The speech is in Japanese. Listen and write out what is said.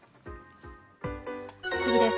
次です。